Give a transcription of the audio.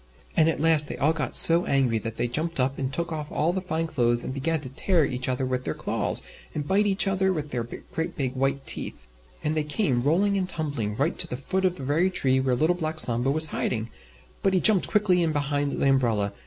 And at last they all got so angry that they jumped up and took off all the fine clothes and began to tear each other with their claws and bite each other with their great big white teeth. And they came, rolling and tumbling, right to the foot of the very tree where Little Black Sambo was hiding, but he jumped quickly in behind the umbrella.